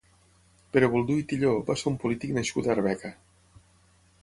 Pere Boldú i Tilló va ser un politic nascut a Arbeca.